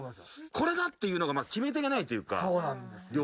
これだっていうのが決め手がないというかそうなんですよ